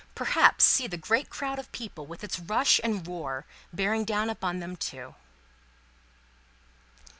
Perhaps, see the great crowd of people with its rush and roar, bearing down upon them, too.